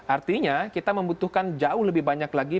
artinya kita membutuhkan jauh lebih banyak lagi